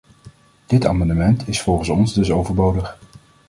Dit amendement is volgens ons dus overbodig.